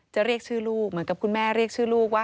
เรียกชื่อลูกเหมือนกับคุณแม่เรียกชื่อลูกว่า